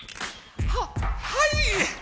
はっはい！